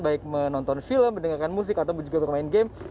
baik menonton film mendengarkan musik ataupun juga bermain game